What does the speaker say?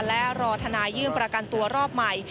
และรอธนายยื่นประกันตัวรอบใหม่